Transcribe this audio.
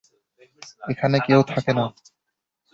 এখানে কেউ থাকে না?